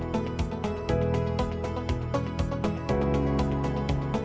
setiap orang yang ada di negeri ini